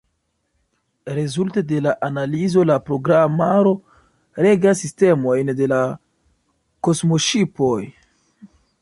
Rezulte de la analizo la programaro regas sistemojn de la kosmoŝipoj.